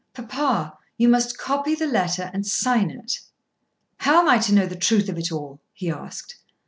"Papa, you must copy the letter and sign it." "How am I to know the truth of it all?" he asked.